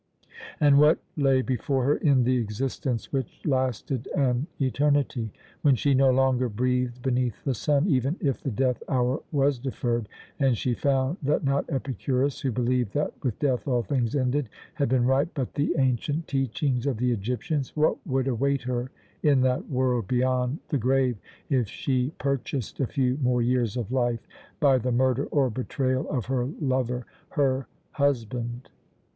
And what lay before her in the existence which lasted an eternity? When she no longer breathed beneath the sun, even if the death hour was deferred, and she found that not Epicurus, who believed that with death all things ended, had been right, but the ancient teachings of the Egyptians, what would await her in that world beyond the grave if she purchased a few more years of life by the murder or betrayal of her lover, her husband?